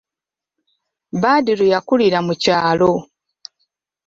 Badru yakulira mu kyalo.